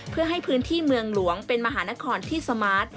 เพื่อให้พื้นที่เมืองหลวงเป็นมหานครที่สมาร์ท